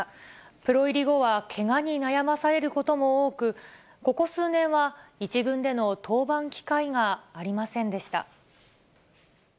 プロ入り後はけがに悩まされることも多く、ここ数年は１軍での登板機会がありませんでした。